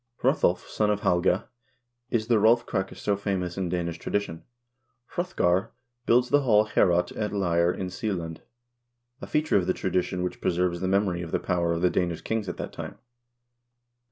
Hrothulf, son of Halga, is the Rolf Krake so famous in Danish tradition. Hrothgar builds the hall Ileorot at Leire in Seeland, a feature of the tradition which preserves the memory of the power of the Danish kings at that time.